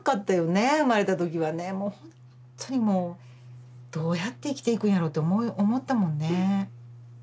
生まれた時はねもうほんとにもうどうやって生きていくんやろうって思ったもんね。